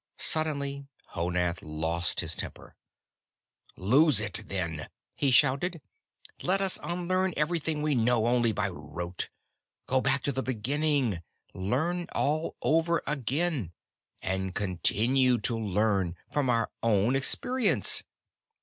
Suddenly, Honath lost his temper. "Lose it, then!" he shouted. "Let us unlearn everything we know only by rote, go back to the beginning, learn all over again, and continue to learn, from our own experience.